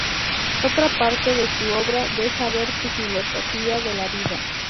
Otra parte de su obra deja ver su filosofía de la vida.